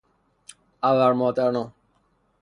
ابرمادران